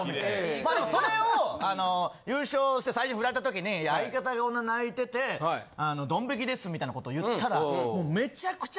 まあでもそれを優勝して最初に振られた時に「相方がこんな泣いててドン引きです」みたいなこと言ったらもう。